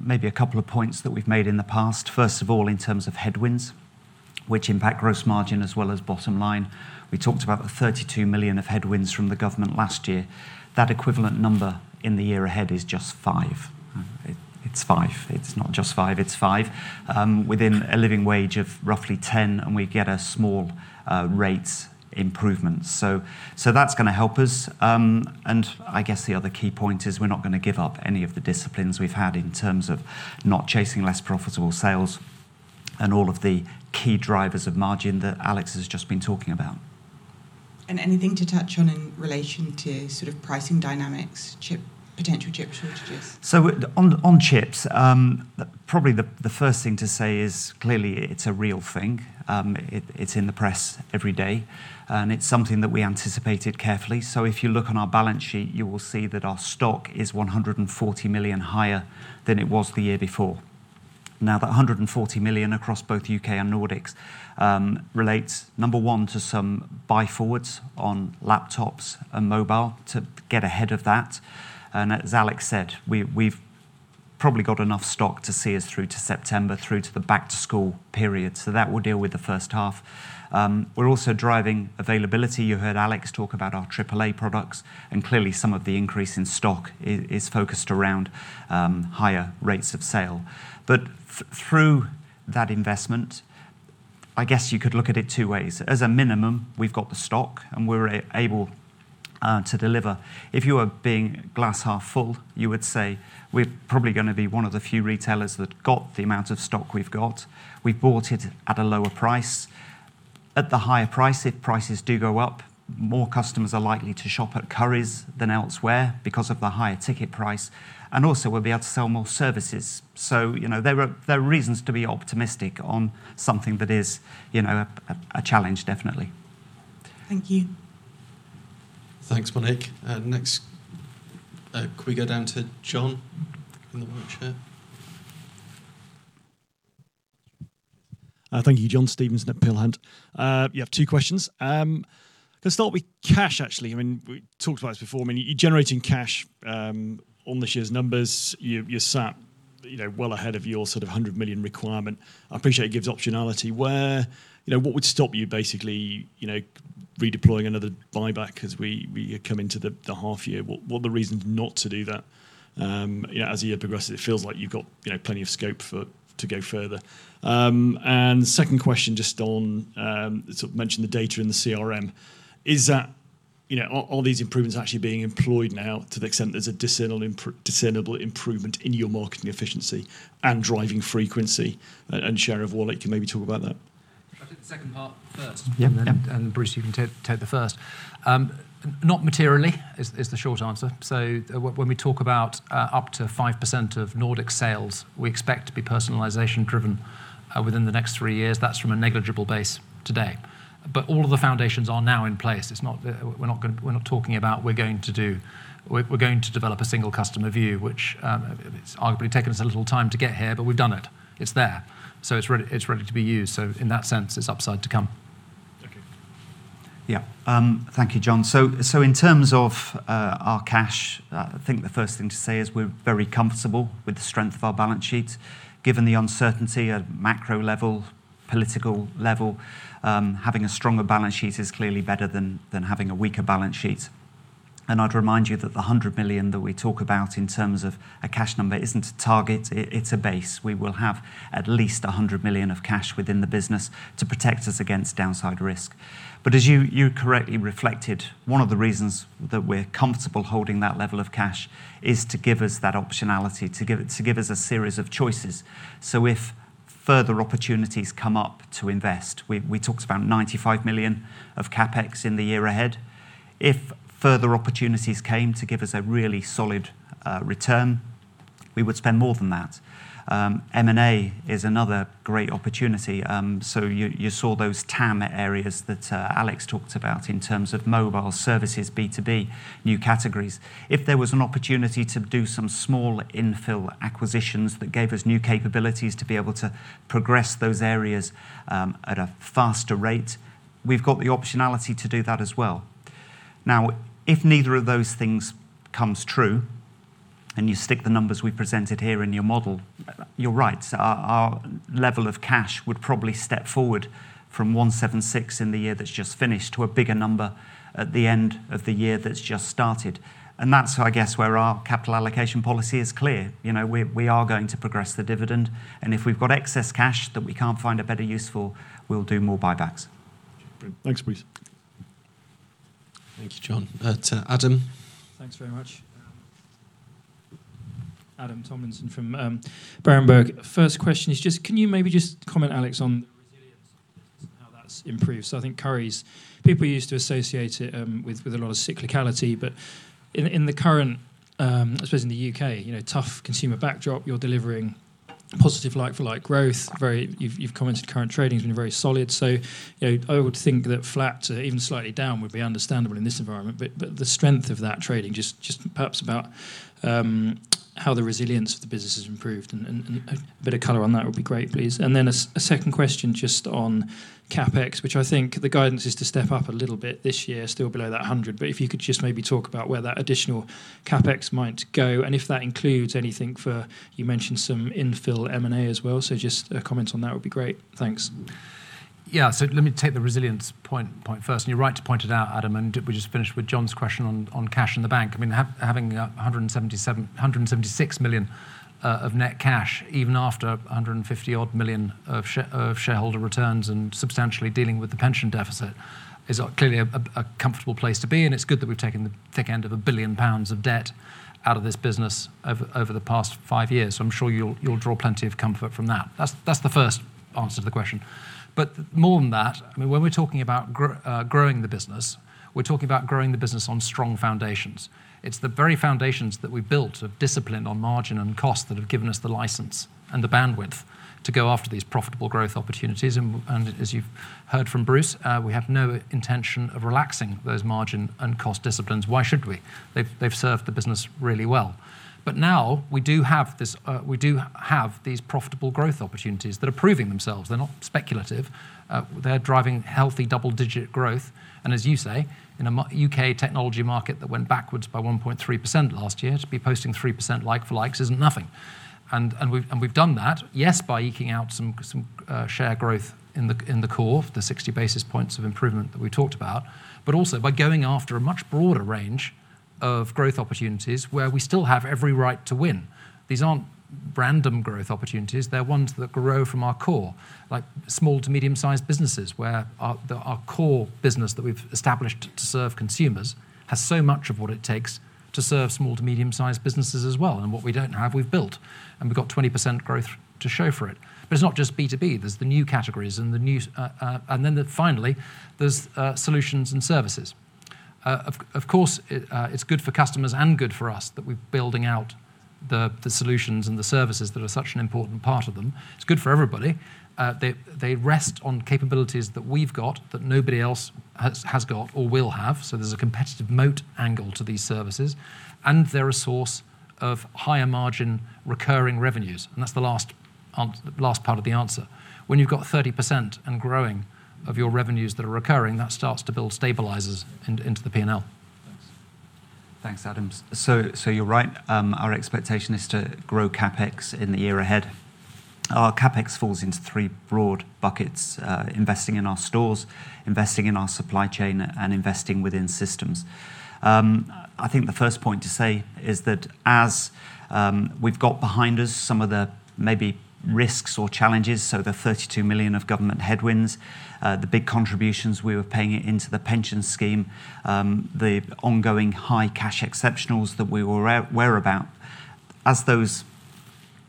Maybe a couple of points that we've made in the past. First of all, in terms of headwinds, which impact gross margin as well as bottom line. We talked about the 32 million of headwinds from the government last year. That equivalent number in the year ahead is just 5 million. It's 5 million. It's not just 5 million, it's 5 million, within a living wage of roughly 10, and we get a small rates improvement. That's going to help us. I guess the other key point is we're not going to give up any of the disciplines we've had in terms of not chasing less profitable sales and all of the key drivers of margin that Alex has just been talking about. Anything to touch on in relation to pricing dynamics, potential chip shortages? On chips, probably the first thing to say is clearly it's a real thing. It's in the press every day, it's something that we anticipated carefully. If you look on our balance sheet, you will see that our stock is 140 million higher than it was the year before. That 140 million across both U.K. and Nordics relates, number one, to some buy forwards on laptops and mobile to get ahead of that. As Alex said, we've probably got enough stock to see us through to September, through to the back-to-school period. That will deal with the first half. We're also driving availability. You heard Alex talk about our AAA products, clearly some of the increase in stock is focused around higher rates of sale. Through that investment, I guess you could look at it two ways. As a minimum, we've got the stock, we're able to deliver. If you are being glass half full, you would say we're probably going to be one of the few retailers that got the amount of stock we've got. We bought it at a lower price. At the higher price, if prices do go up, more customers are likely to shop at Currys than elsewhere because of the higher ticket price, also we'll be able to sell more services. There are reasons to be optimistic on something that is a challenge, definitely. Thank you. Thanks, Monique. Could we go down to John in the white shirt? Thank you. John Stevenson, Peel Hunt. You have two questions. Can I start with cash, actually? We talked about this before. You're generating cash on this year's numbers. You're sat well ahead of your 100 million requirement. I appreciate it gives optionality. What would stop you basically redeploying another buyback as we come into the half year? What are the reasons not to do that? As the year progresses, it feels like you've got plenty of scope to go further. Second question, just on mentioning the data in the CRM. Are these improvements actually being employed now to the extent there's a discernible improvement in your marketing efficiency and driving frequency and share of wallet? Can you maybe talk about that? If I take the second part first- Yeah. ...then, Bruce, you can take the first. Not materially is the short answer. When we talk about up to 5% of Nordic sales, we expect to be personalization driven within the next three years. That's from a negligible base today. All of the foundations are now in place. We're not talking about we're going to develop a single customer view, which it's arguably taken us a little time to get here, but we've done it. It's there. It's ready to be used. In that sense, it's upside to come. Thank you. Thank you, John. In terms of our cash, I think the first thing to say is we're very comfortable with the strength of our balance sheet. Given the uncertainty at macro level, political level, having a stronger balance sheet is clearly better than having a weaker balance sheet. I'd remind you that the 100 million that we talk about in terms of a cash number isn't a target, it's a base. We will have at least 100 million of cash within the business to protect us against downside risk. As you correctly reflected, one of the reasons that we're comfortable holding that level of cash is to give us that optionality, to give us a series of choices. If further opportunities come up to invest, we talked about 95 million of CapEx in the year ahead. If further opportunities came to give us a really solid return, we would spend more than that. M&A is another great opportunity. You saw those TAM areas that Alex talked about in terms of mobile services, B2B, new categories. If there was an opportunity to do some small infill acquisitions that gave us new capabilities to be able to progress those areas at a faster rate, we've got the optionality to do that as well. If neither of those things comes true, you stick the numbers we presented here in your model, you're right. Our level of cash would probably step forward from 176 in the year that's just finished to a bigger number at the end of the year that's just started. That's, I guess, where our capital allocation policy is clear. We are going to progress the dividend, if we've got excess cash that we can't find a better use for, we'll do more buybacks. Great. Thanks, Bruce. Thank you, John. To Adam. Thanks very much. Adam Tomlinson from Berenberg. First question is just, can you maybe just comment, Alex, on the resilience of the business and how that's improved? I think Currys, people used to associate it with a lot of cyclicality. In the current, I suppose, in the U.K., tough consumer backdrop, you're delivering positive like-for-like growth. You've commented current trading has been very solid. I would think that flat to even slightly down would be understandable in this environment. The strength of that trading, just perhaps about how the resilience of the business has improved and a bit of color on that would be great, please. A second question just on CapEx, which I think the guidance is to step up a little bit this year, still below that 100, if you could just maybe talk about where that additional CapEx might go, and if that includes anything for, you mentioned some infill M&A as well, just a comment on that would be great. Thanks. Let me take the resilience point first. You're right to point it out, Adam, we just finished with John's question on cash in the bank. Having 176 million of net cash, even after 150-odd million of shareholder returns and substantially dealing with the pension deficit, is clearly a comfortable place to be. It's good that we've taken the thick end of 1 billion pounds of debt out of this business over the past five years. I'm sure you'll draw plenty of comfort from that. That's the first answer to the question. More than that, when we're talking about growing the business, we're talking about growing the business on strong foundations. It's the very foundations that we built of discipline on margin and cost that have given us the license and the bandwidth to go after these profitable growth opportunities. As you've heard from Bruce, we have no intention of relaxing those margin and cost disciplines. Why should we? They've served the business really well. Now we do have these profitable growth opportunities that are proving themselves. They're not speculative. They're driving healthy double-digit growth. As you say, in a U.K. technology market that went backwards by 1.3% last year, to be posting 3% like-for-likes is nothing. We've done that, yes, by eking out some share growth in the core, the 60 basis points of improvement that we talked about, but also by going after a much broader range of growth opportunities where we still have every right to win. These aren't random growth opportunities. They're ones that grow from our core, like small to medium-sized businesses where our core business that we've established to serve consumers has so much of what it takes to serve small to medium-sized businesses as well. What we don't have, we've built. We've got 20% growth to show for it. It's not just B2B. There's the new categories. Then finally, there's solutions and services. Of course, it's good for customers and good for us that we're building out the solutions and the services that are such an important part of them. It's good for everybody. They rest on capabilities that we've got that nobody else has got or will have, so there's a competitive moat angle to these services. They're a source of higher margin recurring revenues, and that's the last part of the answer. When you've got 30% and growing of your revenues that are recurring, that starts to build stabilizers into the P&L. Thanks. Thanks, Adam. You're right. Our expectation is to grow CapEx in the year ahead. Our CapEx falls into three broad buckets, investing in our stores, investing in our supply chain, and investing within systems. I think the first point to say is that as we've got behind us some of the maybe risks or challenges, the 32 million of government headwinds, the big contributions we were paying into the pension scheme, the ongoing high cash exceptionals that we were aware about. As those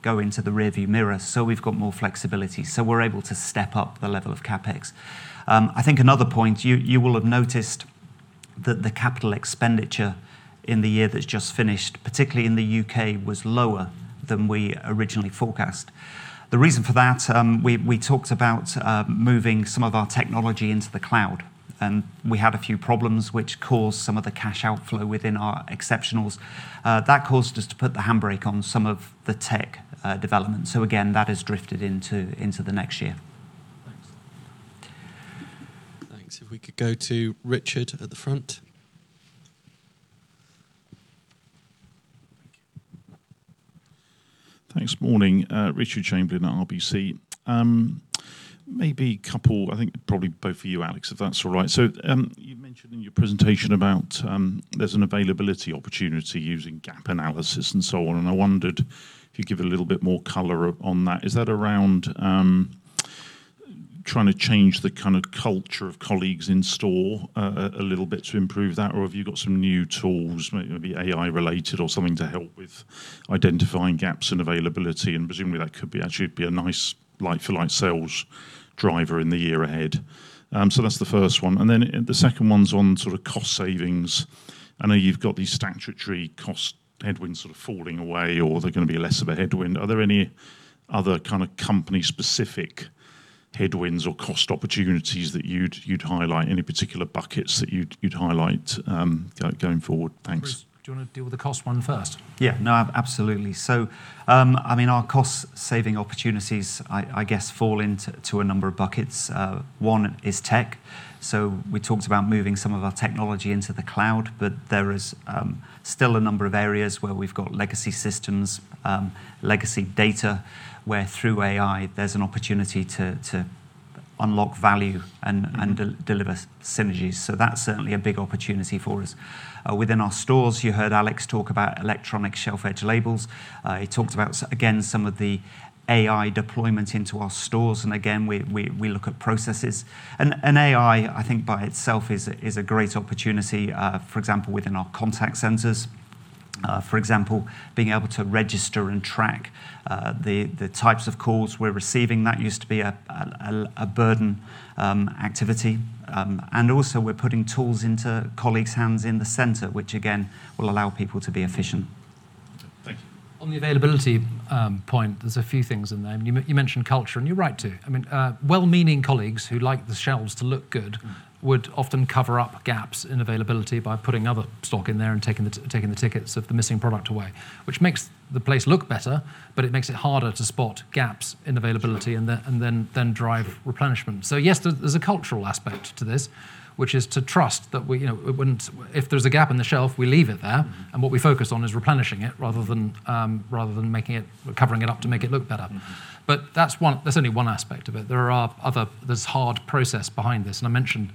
go into the rearview mirror, we've got more flexibility, we're able to step up the level of CapEx. I think another point, you will have noticed that the capital expenditure in the year that's just finished, particularly in the U.K., was lower than we originally forecast. The reason for that, we talked about moving some of our technology into the cloud. We had a few problems which caused some of the cash outflow within our exceptionals. That caused us to put the handbrake on some of the tech development. Again, that has drifted into the next year. Thanks. Thanks. If we could go to Richard at the front. Thanks. Morning. Richard Chamberlain, RBC. Maybe a couple, I think probably both for you, Alex, if that's all right. You mentioned in your presentation about there's an availability opportunity using gap analysis and so on, and I wondered if you'd give a little bit more color on that. Is that around trying to change the kind of culture of colleagues in store a little bit to improve that, or have you got some new tools, maybe AI related or something to help with identifying gaps in availability? Presumably that could actually be a nice like-for-like sales driver in the year ahead. That's the first one. Then the second one's on sort of cost savings. I know you've got these statutory cost headwinds sort of falling away, or they're going to be less of a headwind. Are there any other kind of company specific headwinds or cost opportunities that you'd highlight? Any particular buckets that you'd highlight going forward? Thanks. Bruce, do you want to deal with the cost one first? Yeah. No, absolutely. Our cost saving opportunities, I guess, fall into a number of buckets. One is tech. We talked about moving some of our technology into the cloud, but there is still a number of areas where we've got legacy systems, legacy data, where through AI, there's an opportunity to unlock value and deliver synergies. That's certainly a big opportunity for us. Within our stores, you heard Alex talk about electronic shelf-edge labels. He talked about, again, some of the AI deployment into our stores. Again, we look at processes. AI, I think by itself is a great opportunity, for example, within our contact centers. For example, being able to register and track the types of calls we're receiving. That used to be a burden activity. Also we're putting tools into colleagues' hands in the center, which again, will allow people to be efficient. Thank you. On the availability point, there's a few things in there. You mentioned culture, and you're right to. Well-meaning colleagues who like the shelves to look good would often cover up gaps in availability by putting other stock in there and taking the tickets of the missing product away, which makes the place look better, but it makes it harder to spot gaps in availability and then drive replenishment. Yes, there's a cultural aspect to this, which is to trust that if there's a gap in the shelf, we leave it there, and what we focus on is replenishing it rather than covering it up to make it look better. That's only one aspect of it. There's hard process behind this, and I mentioned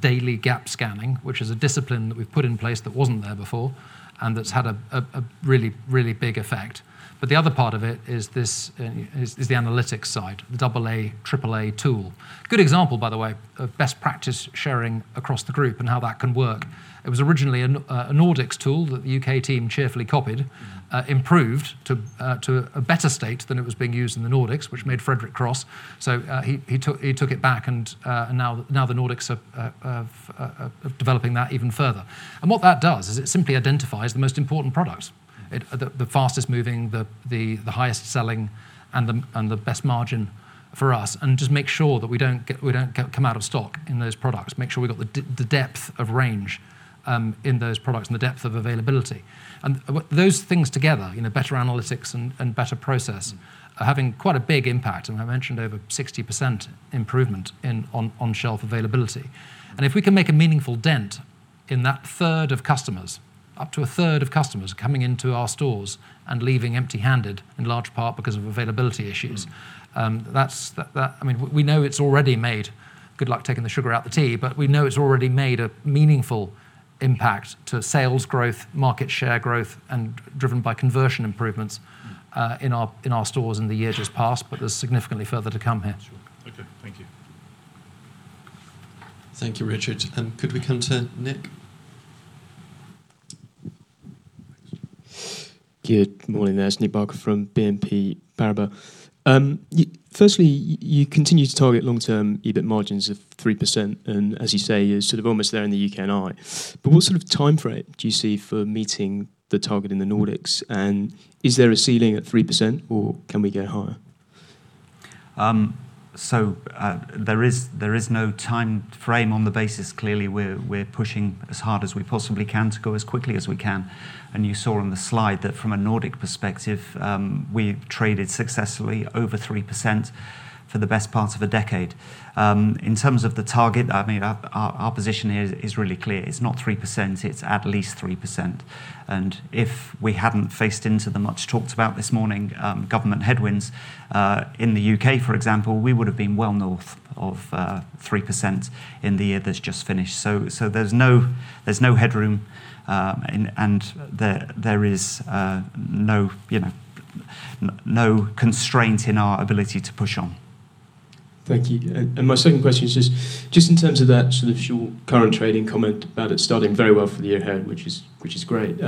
daily gap scanning, which is a discipline that we've put in place that wasn't there before and that's had a really big effect. The other part of it is the analytics side, the AAA tool. Good example, by the way, of best practice sharing across the group and how that can work. It was originally a Nordics tool that the U.K. team cheerfully copied, improved to a better state than it was being used in the Nordics, which made Fredrik cross. He took it back and now the Nordics are developing that even further. What that does is it simply identifies the most important products, the fastest moving, the highest selling, and the best margin for us, and just makes sure that we don't come out of stock in those products, make sure we've got the depth of range in those products and the depth of availability. Those things together, better analytics and better process, are having quite a big impact, and I mentioned over 60% improvement on shelf availability. If we can make a meaningful dent in that 1/3 of customers, up to 1/3 of customers coming into our stores and leaving empty-handed in large part because of availability issues. We know it's already made, good luck taking the sugar out the tea. We know it's already made a meaningful impact to sales growth, market share growth, and driven by conversion improvements in our stores in the year just past, but there's significantly further to come here. Sure. Okay. Thank you. Thank you, Richard. Could we come to Nick? Good morning. Nick Barker from BNP Paribas. Firstly, you continue to target long-term EBIT margins of 3%, and as you say, you're sort of almost there in the U.K. and Ireland. What sort of timeframe do you see for meeting the target in the Nordics? Is there a ceiling at 3% or can we go higher? There is no timeframe on the basis. Clearly, we're pushing as hard as we possibly can to go as quickly as we can. You saw on the slide that from a Nordic perspective, we've traded successfully over 3% for the best part of a decade. In terms of the target, our position here is really clear. It's not 3%, it's at least 3%. If we hadn't faced into the much talked about this morning, government headwinds, in the U.K., for example, we would've been well north of 3% in the year that's just finished. There's no headroom, and there is no constraint in our ability to push on. Thank you. My second question is just in terms of that sort of short current trading comment about it starting very well for the year ahead, which is great.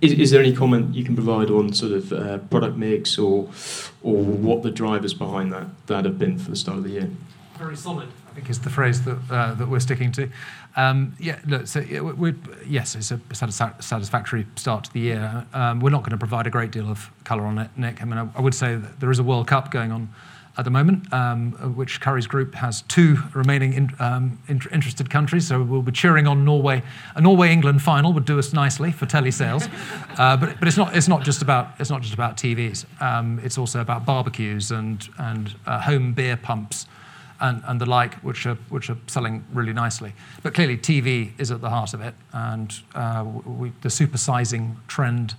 Is there any comment you can provide on sort of product mix or what the drivers behind that have been for the start of the year? Very solid, I think is the phrase that we're sticking to. Yes, it's a satisfactory start to the year. We're not going to provide a great deal of color on it, Nick. I would say that there is a World Cup going on at the moment, which Currys Group has two remaining interested countries. We'll be cheering on Norway. A Norway-England final would do us nicely for telly sales. It's not just about TVs. It's also about barbecues and home beer pumps and the like, which are selling really nicely. Clearly TV is at the heart of it, and the supersizing trend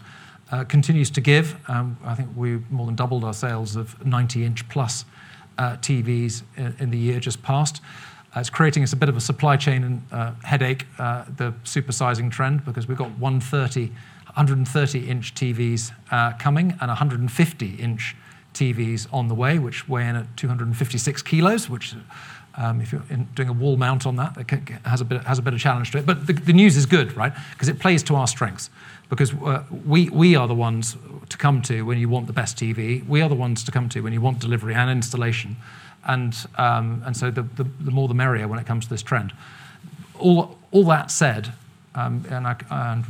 continues to give. I think we more than doubled our sales of 90 in plus TVs in the year just past. It's creating us a bit of a supply chain headache, the supersizing trend, because we've got 130 in TVs coming and 150 in TVs on the way, which weigh in at 256 kg, which if you're doing a wall mount on that, it has a bit of challenge to it. The news is good, right? It plays to our strengths. We are the ones to come to when you want the best TV. We are the ones to come to when you want delivery and installation. The more the merrier when it comes to this trend. All that said, and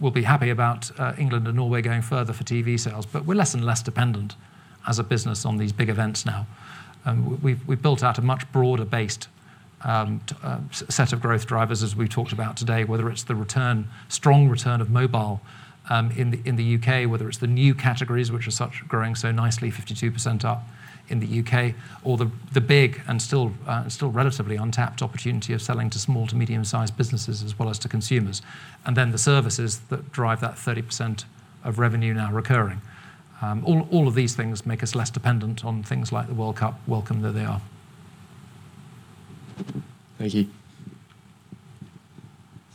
we'll be happy about England and Norway going further for TV sales, but we're less and less dependent as a business on these big events now. We've built out a much broader based set of growth drivers as we talked about today, whether it's the strong return of mobile in the U.K., whether it's the new categories which are growing so nicely, 52% up in the U.K., or the big and still relatively untapped opportunity of selling to small to medium-sized businesses as well as to consumers. The services that drive that 30% of revenue now recurring. All of these things make us less dependent on things like the World Cup, welcome though they are. Thank you.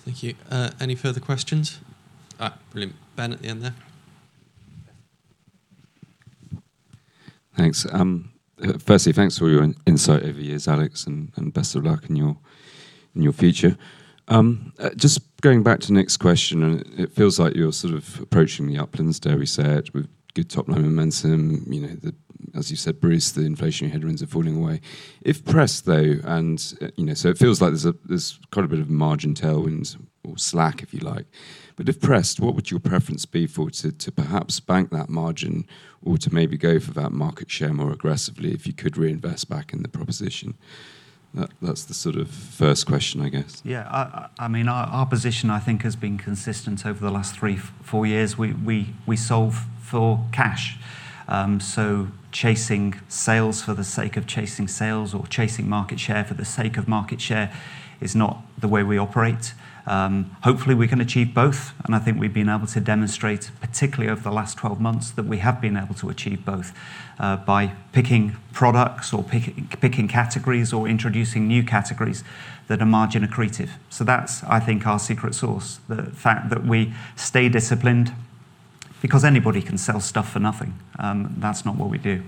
Thank you. Any further questions? Brilliant. Ben, at the end there. Thanks. Firstly, thanks for all your insight over the years, Alex, and best of luck in your future. Just going back to Nick's question, and it feels like you're sort of approaching the uplands, dare we say it, with good top-line momentum, as you said, Bruce, the inflationary headwinds are falling away. If pressed, though, and so it feels like there's quite a bit of margin tailwind or slack, if you like. If pressed, what would your preference be for to perhaps bank that margin or to maybe go for that market share more aggressively if you could reinvest back in the proposition? That's the sort of first question, I guess. Our position, I think, has been consistent over the last three, four years. We solve for cash. Chasing sales for the sake of chasing sales or chasing market share for the sake of market share is not the way we operate. Hopefully, we can achieve both, I think we've been able to demonstrate, particularly over the last 12 months, that we have been able to achieve both by picking products or picking categories or introducing new categories that are margin accretive. That is, I think, our secret sauce, the fact that we stay disciplined because anybody can sell stuff for nothing. That is not what we do.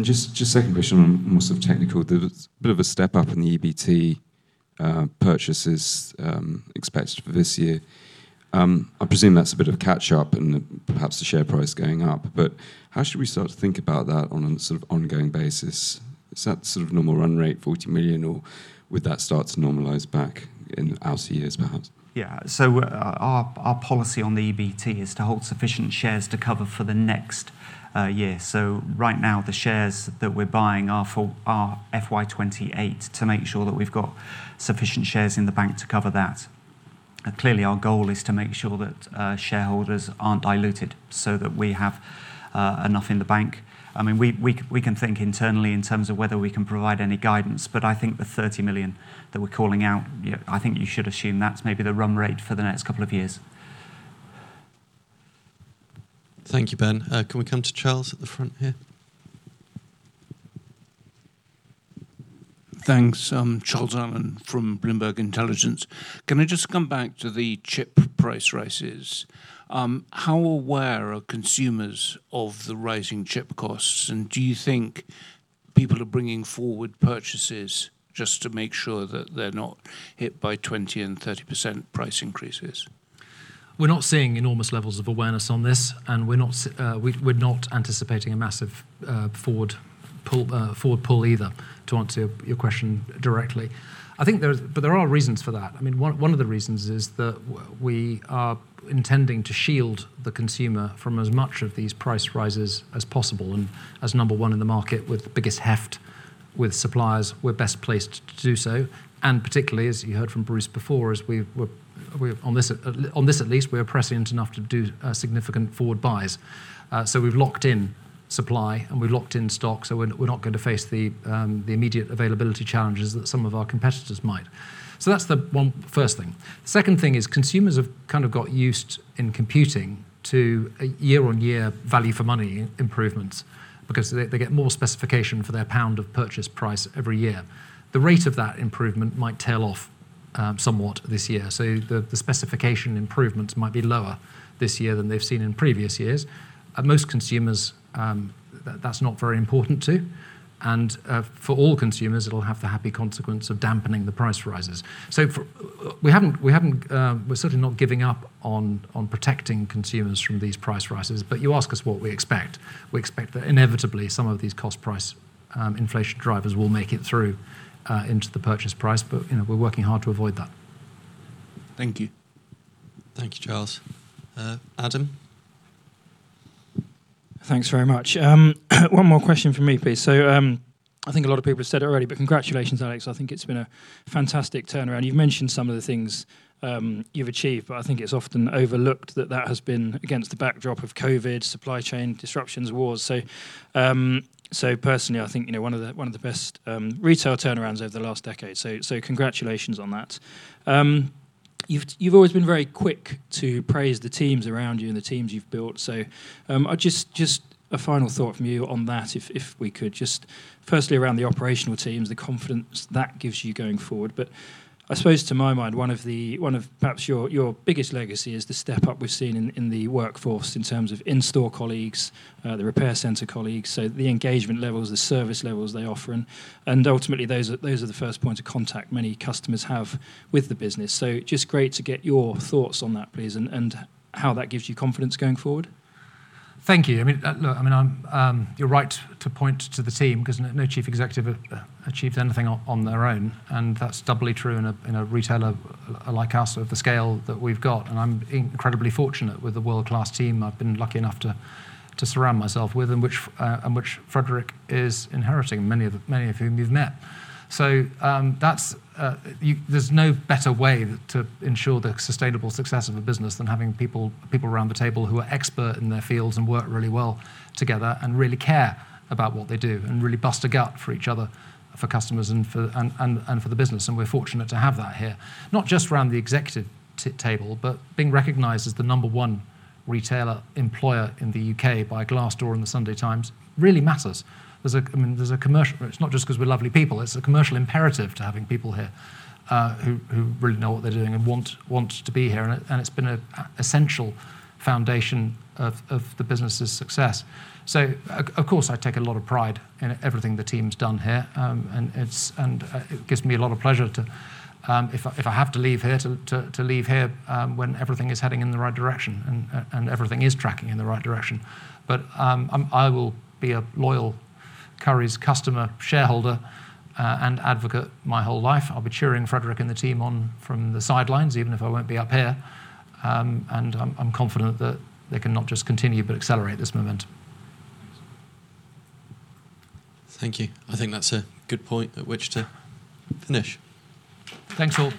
Just second question, more sort of technical. There is a bit of a step up in the EBT purchases expected for this year. I presume that is a bit of catch up and perhaps the share price going up, but how should we start to think about that on an sort of ongoing basis? Is that sort of normal run rate 40 million, or would that start to normalize back in outer years, perhaps? Our policy on the EBT is to hold sufficient shares to cover for the next year. Right now, the shares that we are buying are FY 2028 to make sure that we have got sufficient shares in the bank to cover that. Clearly, our goal is to make sure that shareholders are not diluted so that we have enough in the bank. We can think internally in terms of whether we can provide any guidance, but I think the 30 million that we are calling out, I think you should assume that is maybe the run rate for the next couple of years. Thank you, Ben. Can we come to Charles Allen at the front here? Thanks. Charles Allen from Bloomberg Intelligence. Can I just come back to the chip price rises? How aware are consumers of the rising chip costs, and do you think people are bringing forward purchases just to make sure that they're not hit by 20% and 30% price increases? We're not seeing enormous levels of awareness on this, we're not anticipating a massive forward pull either, to answer your question directly. There are reasons for that. One of the reasons is that we are intending to shield the consumer from as much of these price rises as possible, and as number one in the market with the biggest heft with suppliers, we're best placed to do so. Particularly, as you heard from Bruce before, on this at least, we are prescient enough to do significant forward buys. We've locked in supply and we've locked in stock, we're not going to face the immediate availability challenges that some of our competitors might. That's the first thing. Second thing is consumers have kind of got used in computing to a year-on-year value for money improvements because they get more specification for their pound of purchase price every year. The rate of that improvement might tail off somewhat this year. The specification improvements might be lower this year than they've seen in previous years. Most consumers, that's not very important to, for all consumers, it'll have the happy consequence of dampening the price rises. We're certainly not giving up on protecting consumers from these price rises. You ask us what we expect. We expect that inevitably some of these cost price inflation drivers will make it through into the purchase price, but we're working hard to avoid that. Thank you. Thank you, Charles. Adam? Thanks very much. One more question from me, please. I think a lot of people have said it already, but congratulations, Alex. I think it's been a fantastic turnaround. You've mentioned some of the things you've achieved, but I think it's often overlooked that that has been against the backdrop of COVID, supply chain disruptions, wars. Personally, I think one of the best retail turnarounds over the last decade, congratulations on that. You've always been very quick to praise the teams around you and the teams you've built. Just a final thought from you on that, if we could just firstly around the operational teams, the confidence that gives you going forward. I suppose to my mind, one of perhaps your biggest legacy is the step up we've seen in the workforce in terms of in-store colleagues, the repair center colleagues, the engagement levels, the service levels they offer, and ultimately those are the first point of contact many customers have with the business. Just great to get your thoughts on that, please, and how that gives you confidence going forward. Thank you. Look, you're right to point to the team because no chief executive achieves anything on their own, and that's doubly true in a retailer like us of the scale that we've got. I'm incredibly fortunate with a world-class team I've been lucky enough to surround myself with, and which Fredrik is inheriting, many of whom you've met. There's no better way to ensure the sustainable success of a business than having people around the table who are expert in their fields and work really well together and really care about what they do and really bust a gut for each other, for customers, and for the business. We're fortunate to have that here, not just around the executive table, but being recognized as the number one retailer employer in the U.K. by Glassdoor and The Sunday Times really matters. It's not just because we're lovely people, it's a commercial imperative to having people here who really know what they're doing and want to be here. It's been an essential foundation of the business's success. Of course, I take a lot of pride in everything the team's done here, and it gives me a lot of pleasure, if I have to leave here, to leave here when everything is heading in the right direction and everything is tracking in the right direction. I will be a loyal Currys customer, shareholder, and advocate my whole life. I'll be cheering Fredrik and the team on from the sidelines, even if I won't be up here. I'm confident that they can not just continue, but accelerate this momentum. Thank you. I think that's a good point at which to finish. Thanks all.